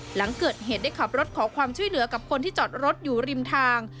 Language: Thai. หลังเกิดเหตุได้ขับรถขอความช่วยเหลือกับคนที่จอดรถอยู่ริมทาง